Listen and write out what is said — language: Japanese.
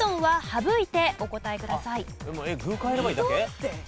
はい。